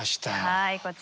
はいこちら。